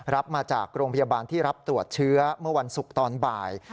รับมาจากโรงพยาบาลที่รับตรวจเชื้อเมื่อวันศุกร์ตอนบ่าย